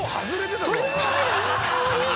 トリュフオイルいい香り。